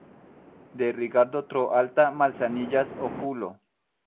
De rigardo tro alta malsaniĝas okulo.